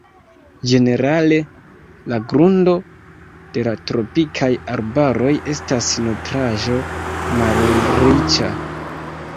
Ĝenerale la grundo de la tropikaj arbaroj estas nutraĵo-malriĉa.